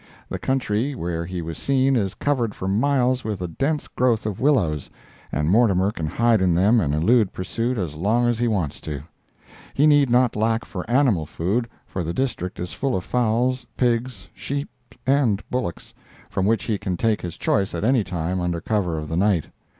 The country where he was seen is covered for miles with a dense growth of willows, and Mortimer can hide in them and elude pursuit as long as he wants to. He need not lack for animal food, for the district is full of fowls, pigs, sheep, and bullocks, from which he can take his choice at any time under cover of the night.